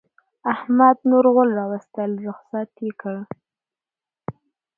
احمد نور غول راوستل؛ رخصت يې کړه.